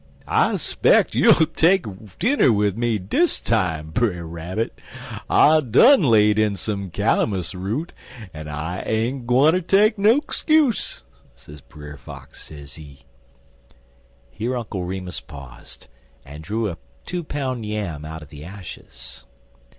'I speck you'll take dinner wid me dis time, Brer Rabbit. I done laid in some calamus root, en I ain't gwineter take no skuse,' sez Brer Fox, sezee." Here Uncle Remus paused, and drew a two pound yam out of the ashes.